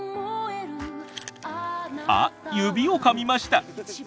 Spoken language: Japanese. あっ指をかみました。